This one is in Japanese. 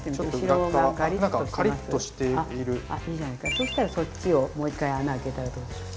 そしたらそっちをもう一回穴あけたらどうでしょうか。